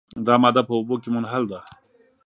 دا ماده په اوبو کې منحل ده.